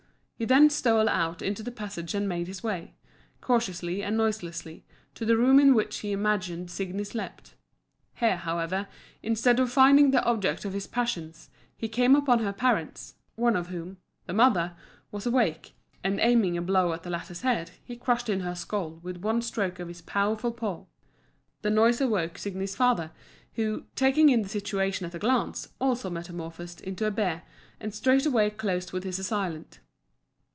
He then stole out into the passage and made his way, cautiously and noiselessly, to the room in which he imagined Signi slept. Here, however, instead of finding the object of his passions, he came upon her parents, one of whom the mother was awake; and aiming a blow at the latter's head, he crushed in her skull with one stroke of his powerful paw. The noise awoke Signi's father, who, taking in the situation at a glance, also metamorphosed into a bear and straightway closed with his assailant.